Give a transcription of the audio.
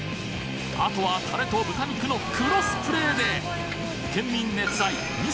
あとはタレと豚肉のクロスプレーで県民熱愛味